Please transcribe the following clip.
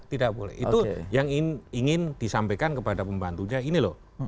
tidak boleh itu yang ingin disampaikan kepada pembantunya ini loh